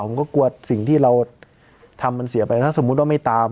ผมก็กลัวสิ่งที่เราทำมันเสียไปถ้าสมมุติว่าไม่ตาม